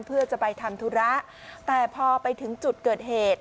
เพื่อจะไปทำธุระแต่พอไปถึงจุดเกิดเหตุ